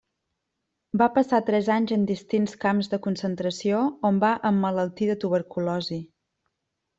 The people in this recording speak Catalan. Va passar tres anys en distints camps de concentració, on va emmalaltir de tuberculosi.